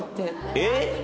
えっ！